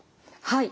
はい。